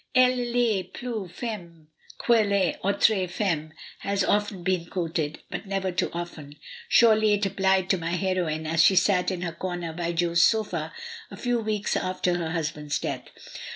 "JE7/^ itatt plus femme que les autres femmes" has often been quoted, and never too often; surely it applied to my heroine as she sat in her comer by Jo's sofa a few weeks after her husband's death.